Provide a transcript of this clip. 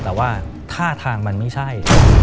แต่ว่าท่าทางมันไม่ใช่